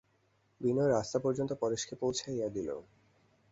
বিনয় রাস্তা পর্যন্ত পরেশকে পৌঁছাইয়া দিল।